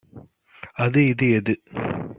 அது இது எது